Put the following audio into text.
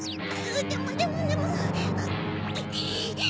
でもでもでも。